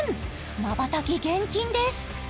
まばたき厳禁です！